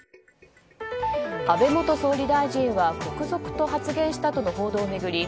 安倍元総理大臣は国賊と発言したとの報道を巡り